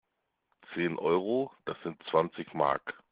Zehn Euro? Das sind zwanzig Mark!